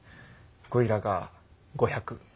ゴリラが５００。